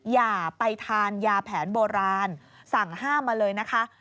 อย่าไปทานยาแผนโบราณสั่งห้ามมาเลยนะคะ